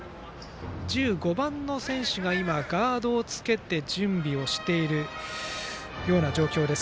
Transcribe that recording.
１５番の選手がガードをつけて準備をしているような状況です。